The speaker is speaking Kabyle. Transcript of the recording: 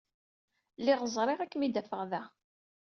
Lliɣ ẓriɣ ad kem-id-afeɣ da.